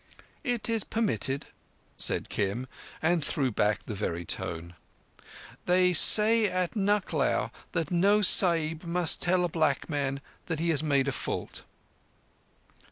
"It is permitted," said Kim, and threw back the very tone. "They say at Nucklao that no Sahib must tell a black man that he has made a fault."